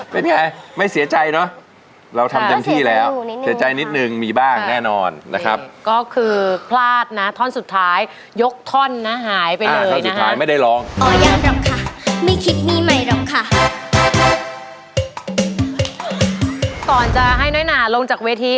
เป็นไงครับน้อยนา